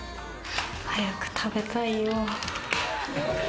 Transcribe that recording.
早く食べたいよ。